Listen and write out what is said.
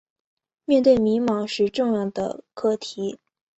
面对迷惘时重要的课题